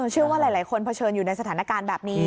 เชื่อว่าหลายคนเผชิญอยู่ในสถานการณ์แบบนี้